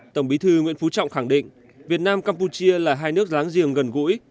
tổng bí thư nguyễn phú trọng khẳng định việt nam campuchia là hai nước láng giềng gần gũi